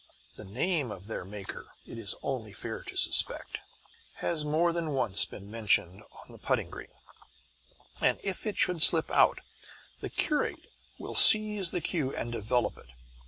The name of their Maker, it is only fair to suspect, has more than once been mentioned on the putting green; and if it should slip out, the curate will seize the cue and develop it.